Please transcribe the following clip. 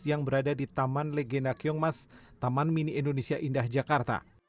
yang berada di taman legenda kiongmas taman mini indonesia indah jakarta